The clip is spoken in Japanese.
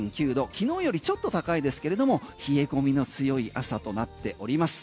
昨日よりちょっと高いですけれども冷え込みの強い朝となっております。